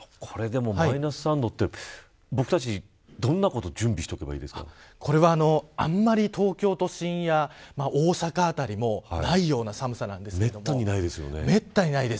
これ、でもマイナス３度って僕たち、どんなことをこれは、あんまり東京都心や大阪辺りもないような寒さなんですけれどもめったにないです。